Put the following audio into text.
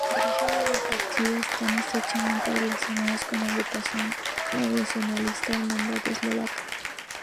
Los orígenes del partido están estrechamente relacionados con la agrupación nacionalista Hermandad Eslovaca.